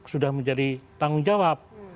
sudah menjadi tanggung jawab